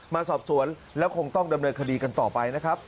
มาสอบสวนแล้วคงต้องดำเนินคดีกันต่อไปนะครับ